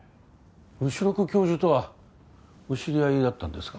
後宮教授とはお知り合いだったんですか？